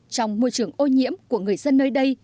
trong môi trường ô nhiễm của người dân nơi đây